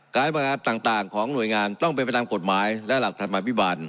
การประกอบธุรกิจต่างของหน่วยงานต้องเป็นประดับกฎหมายและหลักธรรมพิบัติ